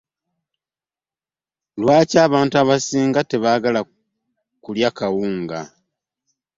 Lwaki abantu abasinga tebaagala kulya kawunga?